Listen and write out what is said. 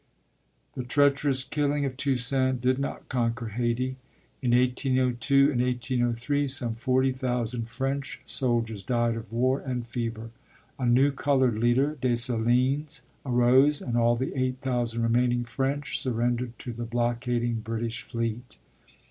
The treacherous killing of Toussaint did not conquer Hayti. In 1802 and 1803 some forty thousand French soldiers died of war and fever. A new colored leader, Dessalines, arose and all the eight thousand remaining French surrendered to the blockading British fleet.